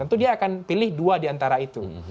tentu dia akan pilih dua diantara itu